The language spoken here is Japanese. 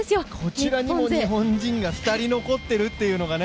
こちらにも日本人が２人残っているというのがね。